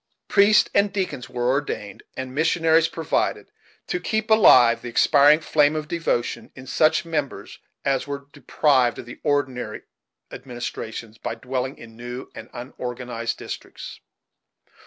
Priests and deacons were ordained, and missionaries provided, to keep alive the expiring flame of devotion in such members as were deprived of the ordinary administrations by dwelling in new and unorganized districts.